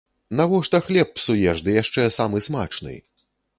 Навошта хлеб псуеш, ды яшчэ самы смачны!